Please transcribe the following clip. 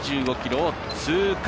２５ｋｍを通過。